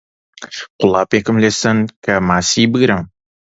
قولاپێکم لێ ساندن کە ماسی بگرم